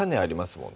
もんね